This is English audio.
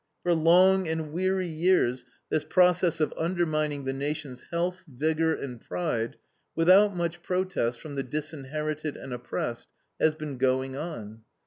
For long and weary years this process of undermining the nation's health, vigor, and pride, without much protest from the disinherited and oppressed, has been going on.